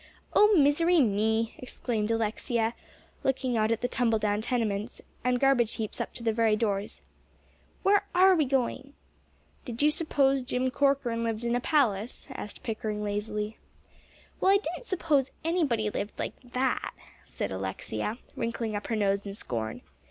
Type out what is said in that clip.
"Oh, misery me!" exclaimed Alexia, looking out at the tumble down tenements, and garbage heaps up to the very doors. "Where are we going?" "Did you suppose Jim Corcoran lived in a palace?" asked Pickering lazily. "Well, I didn't suppose anybody lived like that," said Alexia, wrinkling up her nose in scorn.